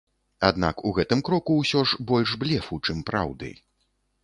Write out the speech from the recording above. Аднак у гэтым кроку ўсё ж больш блефу, чым праўды.